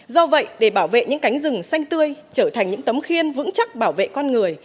do vậy để bảo vệ những cánh rừng xanh tươi trở thành những tấm khiên vững chắc bảo vệ con người